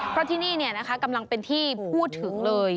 เพราะที่นี่กำลังเป็นที่พูดถึงเลย